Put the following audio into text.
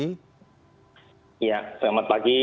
iya selamat pagi